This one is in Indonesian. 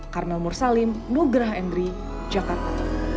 karma mursalim nugraha endri jakarta